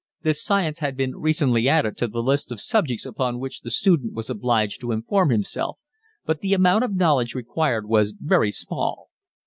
This science had been recently added to the list of subjects upon which the student was obliged to inform himself, but the amount of knowledge required was very small.